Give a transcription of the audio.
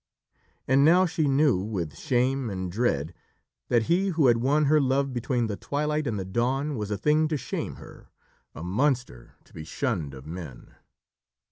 And now she knew, with shame and dread, that he who had won her love between the twilight and the dawn was a thing to shame her, a monster to be shunned of men.